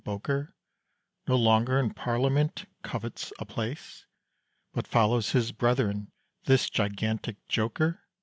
Bowker No longer in Parliament covets a place? But follows his brethren this gigantic joker?